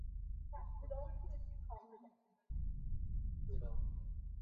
默格尔斯是奥地利福拉尔贝格州布雷根茨县的一个市镇。